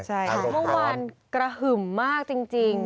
เมื่อวานกระหึ่มมากจริง